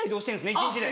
一日で。